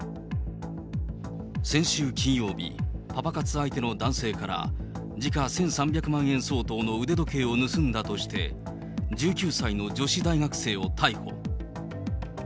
先週金曜日、パパ活相手の男性から、時価１３００万円相当の腕時計を盗んだとして、１９歳の女子大学生を逮捕。